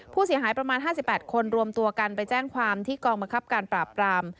ผู้เสียหายประมาณ๕๘คนรวมตัวกันไปแจ้งความที่กองบังคับการปราบปราม